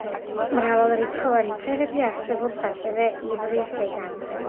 მრავალრიცხოვანი სერები არსებობს ასევე ივრის ზეგანზე.